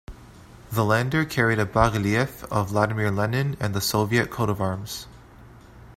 The lander carried a bas relief of Vladimir Lenin and the Soviet coat-of-arms.